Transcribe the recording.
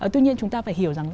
tuy nhiên chúng ta phải hiểu rằng